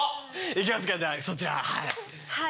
いきますかじゃあそちらはい。